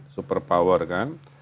super power kan